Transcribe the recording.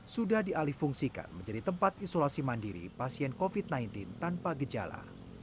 sudah dialih fungsikan menjadi tempat isolasi mandiri pasien covid sembilan belas tanpa gejala